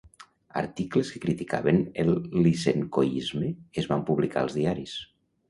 Articles que criticaven el Lysenkoisme es van publicar als diaris.